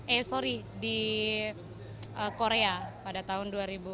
eh sorry di korea pada tahun dua ribu dua